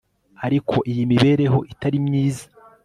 Ariko iyi ni imibereho itari myiza